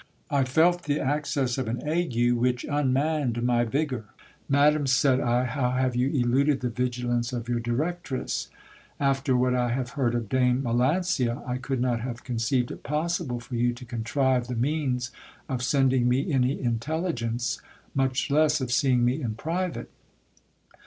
I felt the access of an ague, which unmanned my vigour. Madam, said I, how have you eluded the vigilance of your directress ? After what I have heard of Dame Melancia, I could not have conceived it possible for you to contrive the means of sending me any intelligence, much less of seeing me in private.